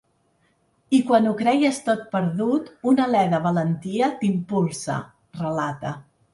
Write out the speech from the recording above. I quan ho creies tot perdut, un alè de valentia t’impulsa, relata.